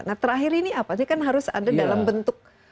nah terakhir ini apa ini kan harus ada dalam bentuk